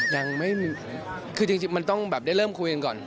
ยังไม่คือจริงมันต้องแบบได้เริ่มคุยกันก่อน